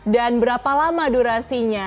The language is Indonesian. dan berapa lama durasinya